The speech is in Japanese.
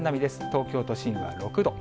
東京都心は６度。